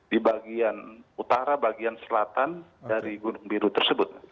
di bagian utara bagian selatan dari gunung biru tersebut